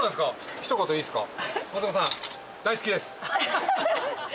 ひと言いいっすか？